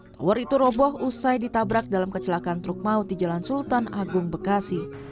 tower itu roboh usai ditabrak dalam kecelakaan truk maut di jalan sultan agung bekasi